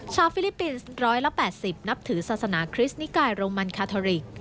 ฟิลิปปินส์๑๘๐นับถือศาสนาคริสต์นิกายโรมันคาทอริก